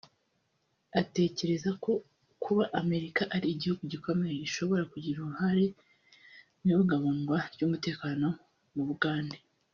Atekereza ko kuba Amerika ari igihugu gikomeye ishobora kugira uruhare mu ibungabungwa ry’umutekano mu Bugande